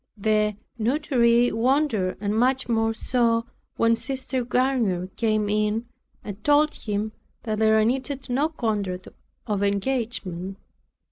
The notary wondered and much more so when Sister Garnier came in, and told him, that there needed no contract of engagement.